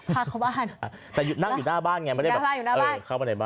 แต่เมืองรอ้านอยู่หน้าบ้านเนี่ยไม่ได้แบบเข้ามาในบ้าน